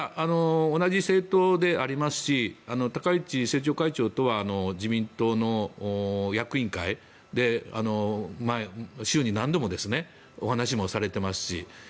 同じ政党でありますし高市政調会長とは自民党の役員会で週に何度もお話もされていますし。